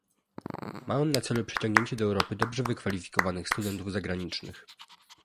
Ma on na celu przyciągnięcie do Europy dobrze wykwalifikowanych studentów zagranicznych